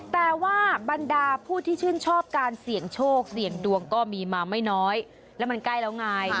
แต่ว่าบรรดาผู้ที่ชื่นชอบการเสี่ยงโชคเสี่ยงดวงก็มีมาไม่น้อยแล้วมันใกล้แล้วไง